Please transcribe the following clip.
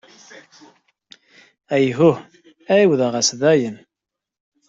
Ayhuh, ɛawdeɣ-as daɣen!